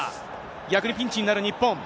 逆にピンチになる日本。